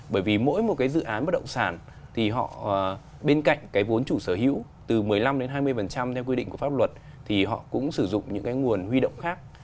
bởi vì mỗi một cái dự án bất động sản thì họ bên cạnh cái vốn chủ sở hữu từ một mươi năm đến hai mươi theo quy định của pháp luật thì họ cũng sử dụng những cái nguồn huy động khác